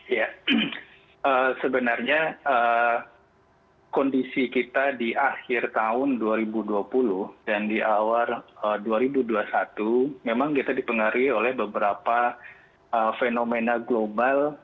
ya sebenarnya kondisi kita di akhir tahun dua ribu dua puluh dan di awal dua ribu dua puluh satu memang kita dipengaruhi oleh beberapa fenomena global